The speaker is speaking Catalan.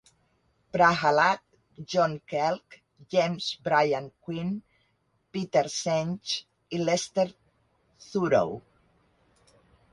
Prahalad, John Quelch, James Brian Quinn, Peter Senge i Lester Thurow.